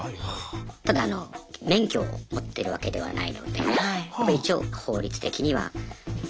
ただあの免許を持ってるわけではないので一応法律的にはアウト。